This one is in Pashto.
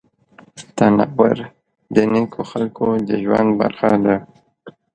تنور د نیکو خلکو د ژوند برخه وه